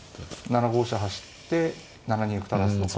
７五飛車走って７二歩垂らすとか。